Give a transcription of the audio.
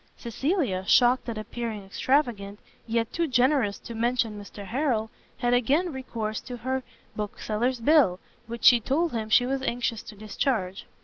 Cecilia, shocked at appearing extravagant, yet too generous to mention Mr Harrel, had again recourse to her bookseller's bill, which she told him she was anxious to discharge.